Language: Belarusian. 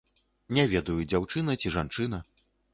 Не ведаю, дзяўчына ці жанчына.